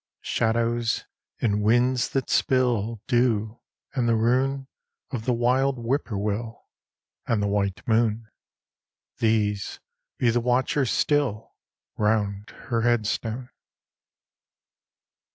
Shadows, and winds that spill Dew; and the rune Of the wild whippoorwill; And the white moon; These be the watchers still Round her headstone.